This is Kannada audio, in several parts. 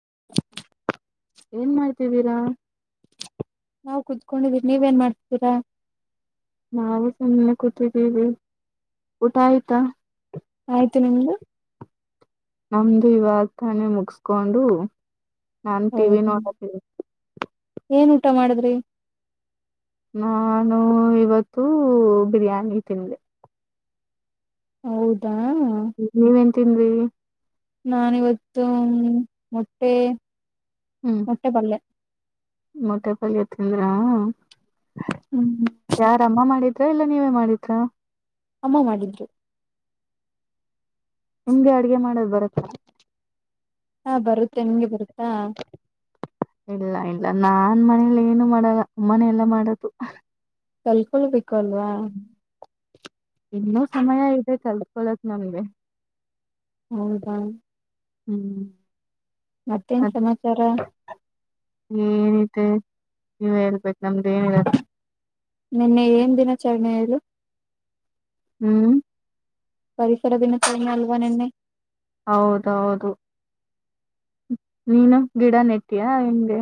[unintelligible] ಏನ್ ಮಾಡ್ತವಿರಾ ನಾವವು ಕುುದಕೊಂಡಿದೀವಿ ನೀವ ಏನ್ ಮಾಡ್ತತೀರಾ ನಾವು ಸುಮ್ಮ್ನೆ ಕೂತಿದ್ದೀವಿ ಊಟ ಆಯ್ತಾ ಆಯ್ತು ನಿಮ್ದು ನಮ್ದು ಇವಾಗ ತಾನೇ ಮುಗಸ್ಕೊಂಡು ನಾನ್ ಟಿವ ವಿ ಹೌದಾ ನೋಡಕೀ ಏನ್ ಊಟ ಮಾಡಿದ್ರಿ ನಾನು ಇವತ್ತು ಬಿರಿಯಾನಿ ತಿಂದೆ ಹೌದಾ ನೀವೇನ್ ತಿಂದ್ರಿ ನಾನಿವತ್ತು ಮೊಟ್ಟೆ ಮೊಟ್ಟೆಪಳ್ಳೆ ಮೊಟೆ ಪಾಗ ತಿಂದ್ರ ಹ್ಮ್ ಯಾರ ಅಮ್ಮ ಮಾಡಿದ ಇಲ್ಲ ನೀವೇ ಮಾಡಿದಾ ಅಮ್ಮ ಮಾಡಿದ್ರು ನಿಮ್ಗೆ ಅಡ್ಗೆ ಮಾಡದು್ ಬರತ್ತ ಹಾ ಬರುತ್ತೆ ನಿಂಗೆ ಬರು ಇಲ್ಲ ಇ ಇಲ್ಲ ನಾನ್ ಮನೇಲಿ ಏನು ಮಾಡಲ್ಲ ಅಮ್ಮನ ಎಲ್ಲ ಮಾಡದು ಕಲ್ಕೊಳ್ಬೇಕ ಕೊಲ್ವಾ ಇನ್ನೂ ಸಮಯ ಇದೆ ಕಲ್ಕೊಳಕ್ ನಮ್ಗೆ ಹೌದಾ ಹ್ಮ್ ಮತ್ತೇನ್ ಸಮಾಚಾರ ಏನಿದೆ ನೀವ್ ಹೇಳ್ಬೇಕ ನಮ್ದು ಏನಿಲ್ಲ ನಿನ್ನೆ ಏನ್ ದಿನಾಚರಣೆ ಇದು ಹ್ಮ್ ಪರಿಸರ ದಿನಚಾರನೆ ಅಲ್ವಾ ನೆನ್ನೆ ಹೌದೌದು ನೀನು ಗಿಡ ನೆಟ್ಟಿಯಾ ಹೆಂಗೆ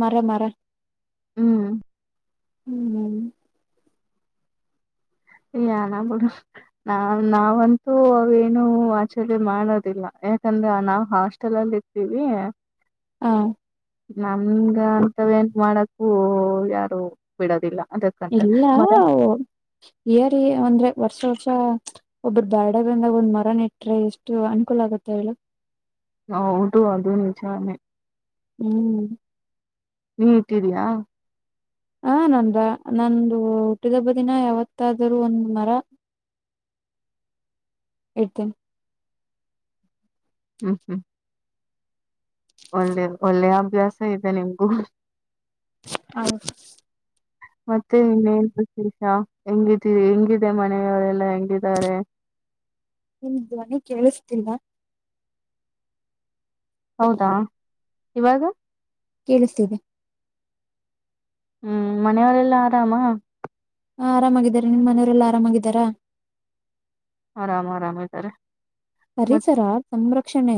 ಮರ ಮರ ಹ್ಮ್ ಹ್ಮ್ [unintelligible] ನಾವಂತೂ ಅವೇನು ಆಚುಲಿ ಮಾಡೋದಿಲ್ಲ ಯಾಕಂದ್ರೆ ನಾವ್ ಹಾಸ್ಟೆಲ್ ಅಲ್ಲಿ ಇರ್ತೀವಿ ಹ ನಮಂಗ ಅಂತವ ಎನ್ ಮಾಡತ್ ಓ ಯಾರು ಬಿಡೋದಿಲ್ಲ ಅದಕ್ಕಂತ ಎಲ್ಲಾ ಮರ ಏರಿ ಅಂದ್ರೆ ವರ್ಷ ವರ್ಷ ಒಬ್ಬ್ರ ಬ್ಯಾಡ ಬಂದಾಗ ಒಂದ್ ಮರನ ಇಟ್ರೆ ಎಷ್ಟು ಅನುಕೂಲ ಆಗುತ್ತೆ ಹೇಳ ಹೌದು ಅದು ನಿಜಾನೆ ಹ್ಮ್ ನೀ ಇಟ್ಟಿದಯಾ ಹ ನಂದ ನಂದು ಹುಟ್ಟಿದಬ್ಬ ದಿನ ಯಾವತ್ತಾದರೂ ಒಂದ್ ಮರ ಇಡ್ತಿನ್ ಹ್ಮ್ ಹ್ಮ್ ಒಂದೆ ಒಳ್ಳೆ ಅಭ್ಯಾಸ ಇದೆ ನಿಮಗೂ ಹ ಮತ್ತೆ ಇನ್ನೇನ್ ವಿಶೇಷ ಹೆಂಗಿದೀ ಹೆಂಗಿದೆ ಮನೆಯವರೆಲ್ಲಾ ಹೆಂಗಿದ್ದಾರೆ ನಿಮ ಧ್ವನಿ ಕೇಳಿಸ್ತಿಲ್ಲ ಹೌದಾ ಇವಾಗ ಕೇಳಿಸ್ತೀದೆ ಹ್ಮ್ ಮನೆಯವಳ ಎಲ್ಲ ಆರಾಮಾ ಹ ಆರಾಮಾಗಿದಿದ್ದಾರೆ ನಿನ್ ಮನೆಯವರೆಲ್ಲ ಆರಾಮಾಗಿದ್ದಾರಾ ಆರಾಮ್ ಆರಾಮ ಇದ್ದರೆ ಪರಿಸರ ತಂದ್ರ ಕ್ಷಣೇ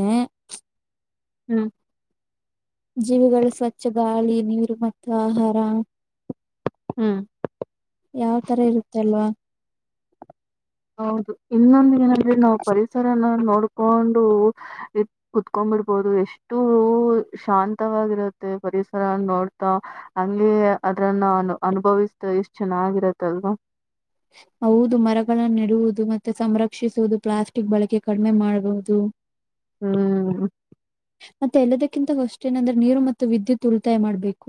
ಹ್ಮ್ ಜೀವಿಗಳು ಸ್ವಚ್ಛ ಗಾಳಿ ನೀರು ಮತ್ತು ಆಹಾರ ಹ್ಮ್ ಯಾವ ತರ ಇರುತ್ತೆಲ್ವಾ ಹೌದು ಇನ್ನೊಂದ ಏನಲ್ರಿ ನಾವವು ಪರಿಸರನ ನೋಡ್ಕೊಂಡು ಇ ಕುತ್ಕೊಂಡಬಿಡ್ಬೋದು ಎಷ್ಟು ಶಾಂತವಾಗಿರತ್ತೆ ಪರಿಸರ ನೋಡ್ತಾ ಹಂಗಗೆ ಅದ್ರನ್ನ ಅನ್ ಅನುಭವಿಸತ ಎಷ್ಟ್ ಚೆನ್ನಾಗಿರತ್ತ ಅಲ್ದು ಹೌದು ಮರಗಳನ್ನ ಇಡುವುದು ಮತ್ತೆ ಸಂರಕ್ಷಿಸುವುದು ಪ್ಲಾಸ್ಟಿಕ್ ಬಳಕೆ ಕಡಿಮೆ ಮಾಡುವುದು ಹ್ಮ್ ಮತ್ತತ್ತೆಲ್ಲದ ಕಿಂತ ಅಷ್ಟೇನಂದ್ರೆ ನೀರು ಮತ್ತು ವಿದ್ಯುತ್ ಉಳಿತಾಯ ಮಾಡ್ಬೇಕು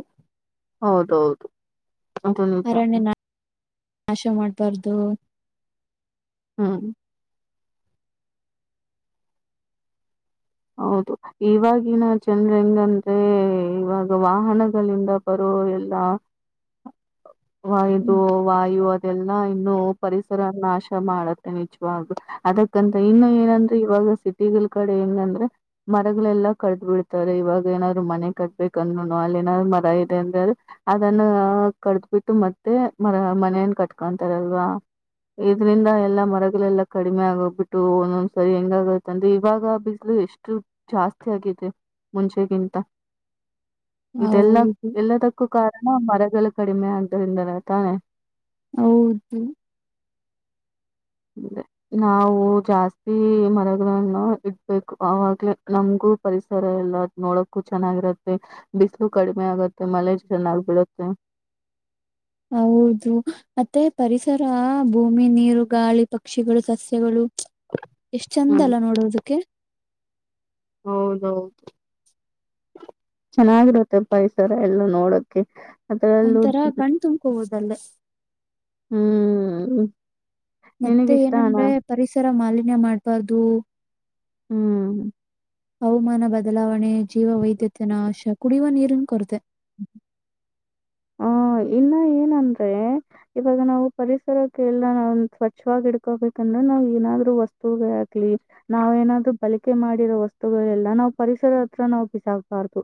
ಹೌದೌದು ಅರಣ್ಯ [unintelligible] ನಾಶ ಮಾಡ್ಬಾರ್ದು ಹಾ ಹೌದು ಇವಾಗಿವಾಗಿನ ಜನರ ಹೆಂಗಂದ್ರೆ ಇವಾಗ ವಾಹನಗಳಿಂದ ಬರೋ ಎಲ್ಲ ವಾಯದು ವಾಯು ಅದೆಲ್ಲಾ ಇನ್ನು ಪರಿಸರ ನಾಶ ಮಾಡತ್ತೆ ನಿಜವಾಗ ಅದಕ್ಕಂತ ಇನ್ನು ಏನಂದ್ರೆ ಇವಾಗ ಸಿಟಿಗಳ ಕಡೆ ಹೆಂಗಂದ್ರೆ ಮರಗಳೆಲ್ಲಾ ಕಡ್ದ್ ಬಿಡ್ತಾರೆ ಇವಾಗ ಏನಾದ್ರು ಮನೆ ಕಟ್ಬೇಕಂದ್ೂನು ಅಲ್ಲಿ ನಾದ್ರು ಮರ ಇದೆ ಅಂದ್ರ ಅದನ್ನ ಕಡ್ದ್ ಬಿಿಟ್ಟು ಮತ್ತೆ ಮರ ಮನೆಯನ್ ಕಟ್ಕೊಂತಾರಲ್ವಾ ಇದ್ರಂದ ಎಲ್ಲಾ ಮರಗಳೆಲ್ಲಾ ಕಡಿಮೆ ಆಗೋಗ್ಬಿಟ್ಟು ಒಂದೊಂದ್ಸರಿ ಹೆಂಗಾಗತ್ತ ಅಂದ್ರ ಇವಾಗ ಬಿಸ್ಲು ಎಷ್ಟ ಜಾಸ್ತಿ ಆಗಿದೆ ಮುಂಚೆಗಿಂತ ಇದೆಲ್ಲ ಹೌದು ಎಲ್ಲದಕ್ಕೂ ಕಾರಣ ಮರ ಲ್ಲ ಕಡಿಮೆ ಆದ್ರಿಂದನ ತಾನೆ ಹೌದು ಅೆ ನಾವು ಜಾಸ್ತಿ ಮರಗಳನ್ನು ಇಡ್ಬೇಕು ಅವಾಗ್ಲ ನಮ್ಗೂ ಪರಿಸರ ಎಲ್ಲ ನೋಡಕ್ಕೂ ಚೆನ್ನಾಗಿರುತ್ತೆ ಬಿಸಲು ಕಡಿಮೆ ಆಗತ್ತೆ ಮಳೆ ಚೆನ್ನಾಗ್ ಬಿಡತ್ತೆ ಹೌದು ಮತ್ತೆ ಪರಿಸರ ಭೂಮಿ ನೀರು ಗಾಳಿ ಪಕ್ಷಿಗಳು ಸಸ್ಯಗಳು ಎಷ್ಟ್ ಚಂದ ಹ್ಮ್ ಅಲ್ಲ ನೋಡೋದಕ್ಕೆ ಹೌದೌದು ಚೆನ್ನಾಗಿರುತ್ತೆಪ್ಪ ಈಸರ ಎಲ್ಲ ನೋಡೋಕ ಒಂಂತರಾ ಕಣ್ ತುಂಬ್ಕೋಬೋುದು ನನ್ನೆ ಹ್ಮ್ ಮತ್ತೆ ನಿನಗಿಷ್ಟಾನ ಏನಂದ್ರೆ ಪರಿಸರ ಮಾಲಕ್ ಇನ್ನ ಮಾಡ್ಬಾರ್ದು ಹ್ಮ್ ಹವಾಮಾನ ಬದಲಾವಣೆ ಜೀವ ವೈದ್ಯತೆ ನಾಶ ಕುಡಿಯುವ ನೀರಿನ ಕೊರತೆ ಹ್ಮ ಇನ್ನ ಏನಂದ್ರೆ ಇವಾಗ ನಾವು ಪರಿಸರಕ್ಕೆ ಎಲ್ಲ ನಾ ಸ್ವಚ್ವಾಗಿ ಇಡ್ಕೋಬೇಕಂದ್ರೆ ನಾವ್ ಏನಾದ್ರು ವಸ್ತು ಹಾಕ್ಲಿ ನಾವ ಏನಾದ್ರು ಬಳಿಕೆ ಮಾಡಿರೋ ವಸ್ತುಗಳೆಲ್ಲ ನಾ್ ಪರಿಸರ ಹತ್ರ ನಾವು ಬಿಸಾಾಗಬಾರ್ದು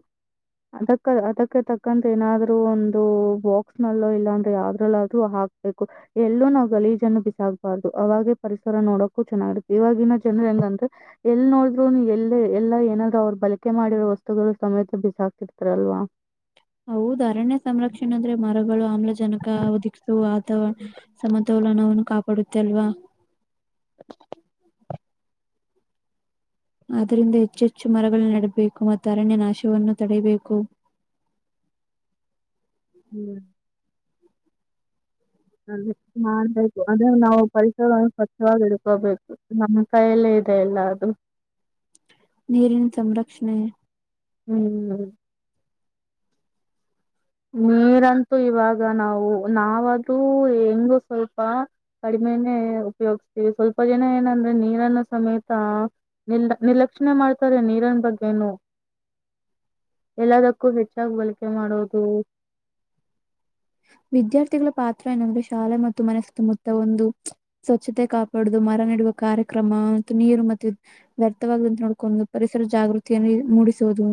ಅದಕ್ಕ ಅದಕ್ಕೆ ತಕ್ಕಂತ ಏನಾದ್ೂ ಒ ದು ಬಾಕ್ಸ್ ನಲ್ಲೋ ಇಲ್ಲಾಂದ್ರೆ ಯಾವ್ದ್ರಲ್ಲಾದ್ರು ಹಾಕ್ಬೇಕು ಎಲ್ಲೂ ನಾವು ಗಲೀಜನ್ನು ಬಿಸಾಕ್ಬಾರ್ದು ಅವಾಗೆ ಪರಿಸರ ನೋಡಕ್ಕು ಚೆನ್ನಾಗಿತ್ತೆ ಇವಾಗಿನ ಜನರು ಹೆಂಗಂದ್ರೆ ಎಲ್ ನೋಡ್ರುನು ಎಲ್ಲ ಎಲ್ಲಾ ಏನಾದ್ರು ಅವ್ರು ಬಳಕೆ ಮಾಡಿರೋ ವಸ್ತುಗಳು ಸಮೇತ ಬಿಸಾಕ್ತಿರ್ತಾರಲ್ವಾ ಹೌದ ಅರಣ್ಯ ಸಂರಕ್ಷಣ ಅಂದ್ರೆ ಮಾರಗ ಆಮ್ಲಜನಕದ ವಾತರಣ ಸಮತೋಲನವನ್ನು ಕಾಪಾಡ ತ್ತಲ್ವಾ [inaudible] ಆದ್ದರಿಂದ ಹೆಚ್ಚೆಚ್ಚು ಮರಗಳನ್ನು ನಡಬೇಕು ಮತ್ತು ಅರಣ್ಯ ನಾಶವನ್ನು ತಡೆಯಬೇಕು ಹ್ಮ್ ಅ ಮಾಡ್ಬೇಕು ಅಂದ್ರೆ ನಾವು ಪರಿಸರವನ್ನು ಸ್ವಚ್ಛವಾಗಿ ಇಡ್ಕೋಬೇಕು ನಮ್ಮ ಕೈಯಲ್ಲೇ ಇದೆ ಎಲ್ಲ ಅದು ನೀರಿನ ಸಂರಕ್ಷಣೆ ಹ್ಮ್ ನೀರಂತೂ ಇವಾಗ ನಾವು ನಾವದುೂ ಹೆಂಗು ಸ್ವಲ್ಪ ಕಡಿಮೆನೇ ಉಪಯೋಗ್ಸ್ತೀವಿ ಸ್ವಲ್ಪ ಜನ ಏನಂದ್ರೆ ನೀರನ್ನ ಸಮೇತ ನಿರ್ಲ ನಿರ್ಲಕ್ಷಣೆ ಮಾಡ್ತಾರೆ ನೀರನ ಬಗ್ಗೆೇನು ಎಲ್ಲದಕ್ಕೂ ಹೆಚ್ಚಾಗಿ ಬಳಕೆ ಮಾಡೋದು ಹ ವಿದ್ಯಾರ್ಥಿಗಳ ಪಾತ್ರ ಏನಂದ್ರೆ ಶಾಲೆ ಮತ್ತು ಮನೆ ಸುತ್ತಮುತ್ತ ಒಂದು ಸ್ವಚ್ಛತೆ ಕಾಪಾಡುದು ಮರ ನೆಡುವ ಕಾರ್ಯಕ್ರಮ ಮತ್ತು ನೀರು ಮತ್ತು ವ್ಯರ್ಥವಾಗದಂತೆ ನೋಡ್ಕೊಂಡು ಪರಿಸರ ಜಾಗೃತಿಯನ್ನು ಮೂಡಿಸೋುದು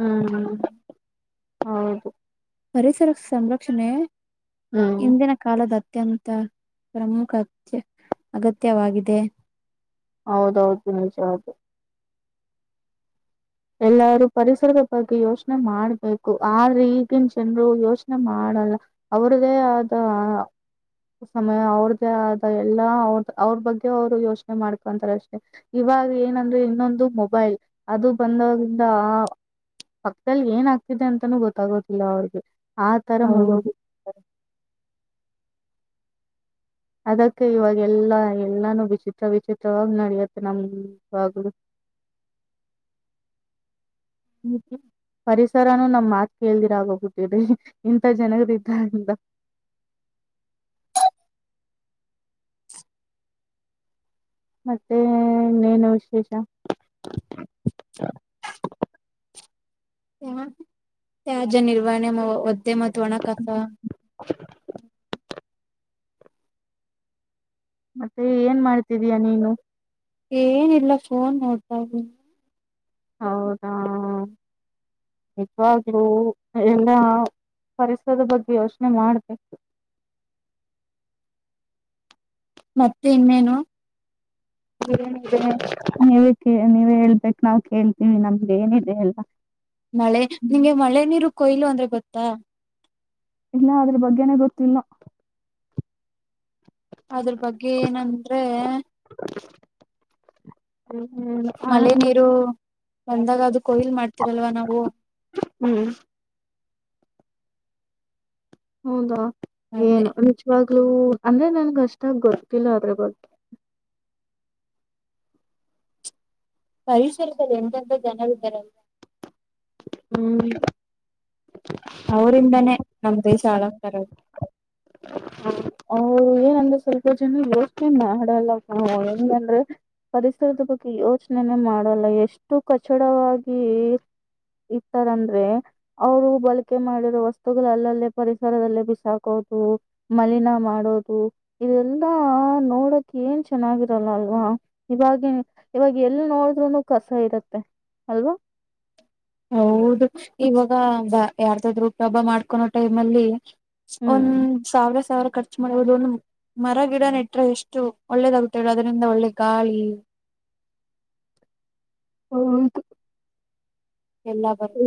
ಹ್ಮ್ ಹ್ಮ್ ಹೌದು ಪರಿಸರ ಸಂರಕ್ಷಣೆ ಹ್ಮ್ ಇಿಂದಿನ ಕಾಲದ ಅತ್ಯಂತ ಪ್ರಮುಖ ಅತ್ಯ ಅಗತ್ಯವಾಗಿದೆ ಹೌದೌದು ನಿಜ ಅದು ಎಲ್ಲಾರೂ ಪರಿಸರದ ಬಗ್ಗೆ ಯೋಚನೆ ಮಾಡ್ಬೇಕು ಆದ್ರೆ ಈಗಿನ ಜನರು ಯೋಚನೆ ಮಾಡಲ್ಲ ಅವ್ರ್ದೇ ಆದ ಸಮಯ ಅವ್ರ್ದೇ ಆದ ಎಲ್ಲ ಅವ್ರ ಅವ್ರ ಬಗ್ಗೆ ಅವ್ರು ಯೋಚನೆ ಮಾಡ್ಕೊಂತಾರೆ ಅಷ್ಟೆ ಇವಾಗ ಏನಂದ್ರೆ ಇನ್ನೊಂದು ಮೊಬೈಲ್ ಅದು ಬಂದ್ರಂದ ಆ ಪಕ್ಕದಲ್ಲಿ ಏನ್ ಆಗ್ತಿದೆ ಅಂತಾನೂ ಗೊತ್ತಾಗೋದಿಲ್ಲ ಅವ್ರಿಗೆ ಆ ತರ ಮುಲ್ಗೋಗ ಹೌದು ಅದಕ್ಕೆ ಇವಾಗ ಎಲ್ಲಾ ಎಲ್ಲಾನು ವಿಚಿತ್ರ ವಿಚಿತ್ರವಾಗಿಾಗ ನಡಿಯತ್ತೆ ನಾವಿರುವಾಗಲು ಹ್ಮ್ ಪರಿಸರನುೂ ನಮ್ ಮಾತ್ ಕೇಳ್ದಿರ ಆಗೋಗ್ಬಿಟ್ಟಿದಿ ಇಂಥ ಜನರ ಇದ್ದಾರಂದ ಮತ್ತೆ ಇನ್ನೇನು ವಿಶೇಷ ಜ ನಿರ್ವಹಣ್ಯ ಮತ್ತೆ ಮತ್ತು ಒಣ ಕಸ [unintelligible] ಮತ್ತೆ ಏನ್ ಮಾಡ್ತಿದಯ ನೀನು ಏನಿಲ್ಲ ಫೋನ್ ನೋಡ್ತಾ ಇದೀನಿ ಹೌದಾ ನಿಜವಾಗ್ಲೂ ಎಲ್ಲಾ ಪರಿಸರದ ಬಗ್ಗೆ ಯೋಚನೆ ಮಾಡ್ಬೇಕು ಮತ್ತೆ ಇನ್ನೇನು ನೀವು ನೀವೇ ಹೇಳ್ಬೇಕ ನಾವ್ ಕೇಳ್ತೀವಿ ನಮ್ಗೆ ಏನಿದೆ ಎಲ್ಲ ಮಳೆ ನಿಂಗೆ ಮಳೆ ನೀರು ಕೊಯ್ಲು ಅಂದ್ರೆ ಗೊತ್ತಾ ಇಲ್ಲ ಅದ್ರ ಬಗ್ಗೆನ ಗೊತ್ತಲ್ಲ್ [unintelligible] ಅದ್ರ ಬಗ್ಗೆ ಏನಂದ್ರೆ ಹ್ಮ್ ಮಳೆ ಆನಂದ ನೀರು ಒಂದಾಗ ಅದು ಕೊಯ್ಲ್ ಮಾಡ್ತಿರಲ್ವಾ ನಾವು ಹ್ಮ್ ಹೌದಾ ಅದೇ ಏನು ನಿಜವಾಗ್ಲುೂ ಅಂದ್ರೆ ನನ್ಗ ಅಷ್ಟಾಗಿ ಗೊತ್ತಿಲ್ಲ ಅದ್ರ ಬಗ್ಗೆ ಪರಿಸರದಲ್ಲಿ ಅತ್ಯಂತ ಜನ ವಿತರ ಹ್ಮ ಅವರಿಂದಾನೇ ನಮ್ ದೇಶ ಹಾಳಾಗ್ತಿರೋದು ಅವರು ಏನಂದ್ರೆ ಸ್ವಲ್ಪ ಜನ ಯೋಚನೆ ಮಾಡಲ್ಲ ನಾವು ಹೆಂಗಂದ್ರೆ ಪರಿಸರದ ಬಗ್ಗೆ ಯೋಚನೆನೇ ಮಾಡಲ್ಲ ಎಷ್ಟು ಕಚ್ಚಡವಾಗಿ ಇತಾರಂದ್ರೆ ಅವ್ರು ಬಳಕೆ ಮಾಡಿರೋ ವಸ್ತುಗಳು ಅಲ್ಲಲ್ಲೇ ಪರಿಸರದಲ್ಲೇ ಬಿಸಾಕೋದು ಮಲಿನ ಮಾಡೋದು ಇದೆಲ್ಲಾ ನೋಡಕ್ ಏನ್ ಚೆನ್ನಾಗಿರಲ್ಲ ಅಲ್ವಾ ಇವ ಇವಾಗ ಎಲ್ ನೋಡಿದ್ೂನು ಕಸ ಇರತ್ತೆ ಅಲ್ವಾ ಹೌದು ಇವಾಗ ಬ ಯಾರ್ದಾದ್ರು ಹುಟ್ಟಿಹಬ್ಬ ಮಾಡ್ಕೊನೋ ಟೈಮ್ ಅಲ್ಲಿ ಹ್ಮ್ ಒಂದ್ ಸಾವಿರ ಸಾವಿರ ಖರ್ಚು ಮಾಡಬಹುದು ಒಂದು ಮರ ಗಿಡ ನೆಟ್ರ ಎಷ್ಟು ಒಳ್ಳೇದಾಗುತ್ತೆ ಅದರಿಂದ ಒಳ್ಳೆ ಗಾಳಿ ಹೌದು ಎಲ್ಲ ಬರುತ್ತೆ.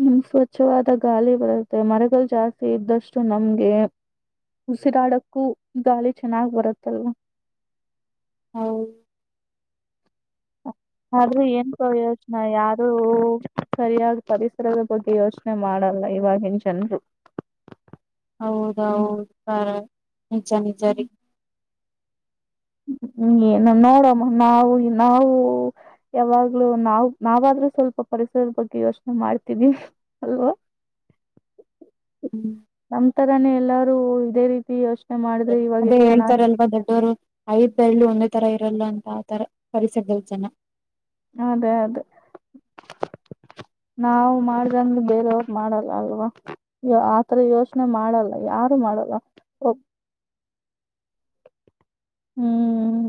ಹ್ಮ್ ಸ್ವಚ್ಛವಾದ ಗಾಳಿ ಬರುತ್ತೆ ಮರಗಳು ಜಾಸ್ತಿ ಇದ್ದಷ್ಟು ನಮ್ಗೆ ಉಸಿರಾಡಕ್ಕೂ ಗಾಳಿ ಚೆನ್ನಾಗ್ ಬರುತ್ತಲ್ವಾ ಹೌದ್ ಆದ್ರೂ ಏನ್ ಯೋಚನೆ ಯಾರೂ ಸರಿಯಾಗಿ ಪರಿಸರದ ಬಗ್ಗೆ ಯೋಚನೆ ಮಾಡಲ್ಲ ಇವಾಗಿನ್ ಜನ್ರು ಹೌದೌದು ನಿಚ ನಿಚ ರೀ ಹ್ಮ್ ಏನು ನೋಡಮ್ಮ ನಾವು ನಾವು ಯಾವಾಗ್ಲೂ ನಾವ್ ನಾವಾದ್ರೂ ಸ್ವಲ್ಪ ಪರಿಸರದ ಬಗ್ಗೆ ಯೋಚನೆ ಮಾಡ್ತಿವಿ ಅಲ್ವಾ ಹ್ಮ್ ನಂತರಾನೇ ಎಲ್ಲಾರೂ ಇದೇ ರೀತಿ ಅಷ್ಟು ಅದೇ ಹೇಳ್ತಾರಲ್ವಾ ದೊಡ್ಡವರು ಐದ ಬೆಳ್ಳು ಒಂದೇ ತರ ಇರಲ್ಲ ಅಂತ ಆ ತರ ಕಸಿ ದ್ದಲ್ ಜನ ಅದೇ ಅದೇ ನಾವು ಮಾಡ್ದಂಗ್ ಬೇರೆಯವ್ರ್ ಮಾಡಲ್ಲ ಅಲ್ವಾ ಯ ಆತರ ಯೋಚನೆ ಮಾಡಲ್ಲ ಯಾರು ಮಾಡಲ್ಲ ಹ್ಮ್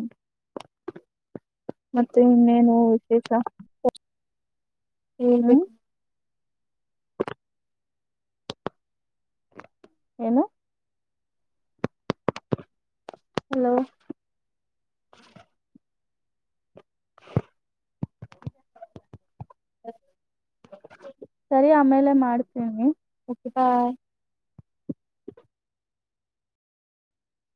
ಮತ್ತೆ ಇನ್ನೇನು ವಿಶೇಷ [inaudible] ಹ್ಮ್ ಹೇಳ್ಬೇಕು ಏನು ಹಲೋ [unintelligible] [unintelligible] ಸರಿ ಆಮೇಲೆ ಮಾಡ್ತೀನಿ ಹಾಯ್